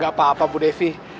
gak apa apa bu devi